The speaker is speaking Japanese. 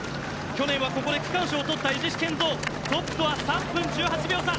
去年はここで区間賞を取った伊地知賢造トップとは３分１８秒差。